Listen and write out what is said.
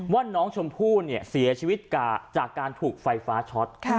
ว่าน้องชมพู่เสียชีวิตจากการถูกไฟฟ้าช็อต